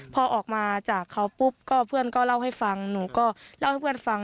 พอออกมาจากเขาปุ๊บก็เพื่อนก็เล่าให้ฟังหนูก็เล่าให้เพื่อนฟัง